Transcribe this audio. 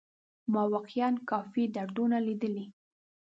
ما واقيعا کافي دردونه ليدلي.